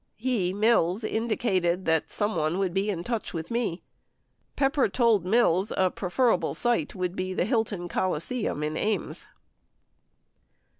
"He (Mills) ... indicated that 'someone' would be in touch with me." 45 Pepper told Mills a preferable site would be the Hilton Coliseum in Ames.